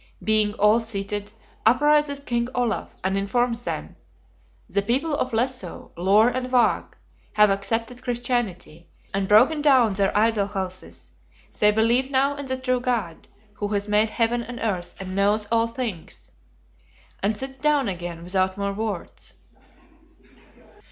Being all seated, uprises King Olaf, and informs them: "The people of Lesso, Loar, and Vaage, have accepted Christianity, and broken down their idol houses: they believe now in the True God, who has made heaven and earth, and knows all things;" and sits down again without more words.